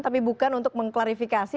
tapi bukan untuk mengklarifikasi